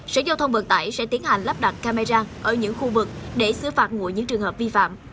sở giao thông vận tải sẽ tiến hành lắp đặt camera ở những khu vực để xử phạt ngụy những trường hợp vi phạm